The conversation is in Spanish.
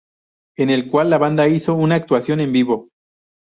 En el cual la banda hizo una actuación en vivo.